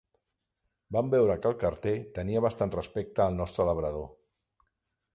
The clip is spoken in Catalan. Vam veure que el carter tenia bastant respecte al nostre labrador.